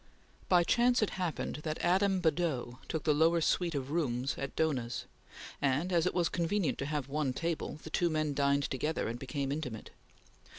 By chance it happened that Adam Badeau took the lower suite of rooms at Dohna's, and, as it was convenient to have one table, the two men dined together and became intimate.